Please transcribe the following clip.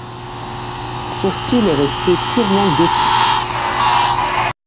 Son style est resté purement gothique.